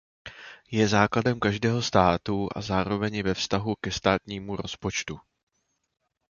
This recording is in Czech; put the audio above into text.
Je základem každého státu a zároveň je ve vztahu ke státnímu rozpočtu.